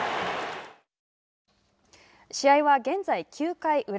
試合は現在、９回裏。